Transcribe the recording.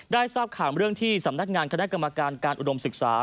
ทราบข่าวเรื่องที่สำนักงานคณะกรรมการการอุดมศึกษา